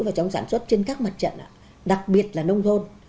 phản xuất trên các mặt trận đặc biệt là nông thôn